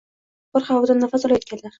Bir havodan nafas olayotganlar.